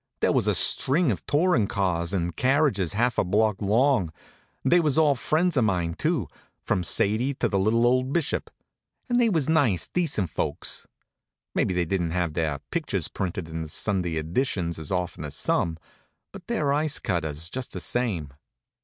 There was a string of tourin' cars and carriages half a block long. They was all friends of mine, too; from Sadie to the little old bishop. And they was nice, decent folks. Maybe they don't have their pictures printed in the Sunday editions as often as some, but they're ice cutters, just the same.